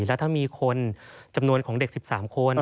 แล้วถ้ามีคนจำนวนของเด็ก๑๓คน